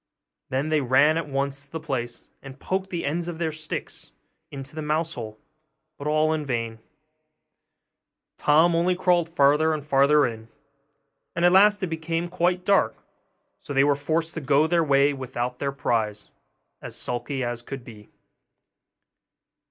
Then they ran at once to the place, and poked the ends of their sticks into the mouse hole, but all in vain; Tom only crawled farther and farther in; and at last it became quite dark, so that they were forced to go their way without their prize, as sulky as could be.